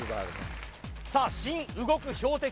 さあ新動く標的